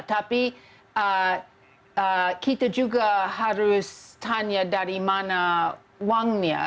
tapi kita juga harus tanya dari mana uangnya